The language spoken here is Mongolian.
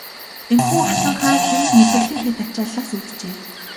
Энэхүү хатанхайрал нь мэдрэлийн хэт ачааллаас үүджээ.